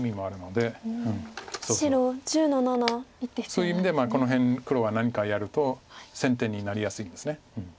そういう意味でこの辺黒は何かやると先手になりやすいんです。